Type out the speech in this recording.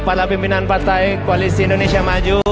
kepala pimpinan partai koalisi indonesia maju